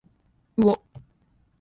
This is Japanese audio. うお